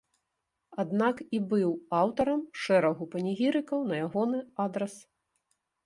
Аднак і быў аўтарам шэрагу панегірыкаў на ягоны адрас.